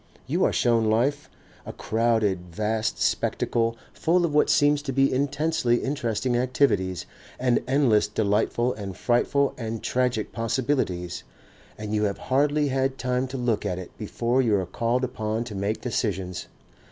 You are shown life, a crowded vast spectacle full of what seems to be intensely interesting activities and endless delightful and frightful and tragic possibilities, and you have hardly had time to look at it before you are called upon to make decisions.